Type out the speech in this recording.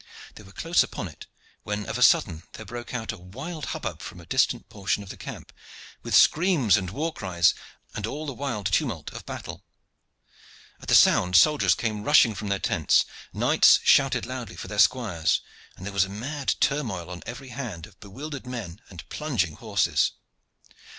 They were close upon it when of a sudden there broke out a wild hubbub from a distant portion of the camp, with screams and war cries and all the wild tumult of battle. At the sound soldiers came rushing from their tents, knights shouted loudly for their squires, and there was mad turmoil on every hand of bewildered men and plunging horses.